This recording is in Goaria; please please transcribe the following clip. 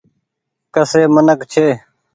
ڪسي منک ڇي ۔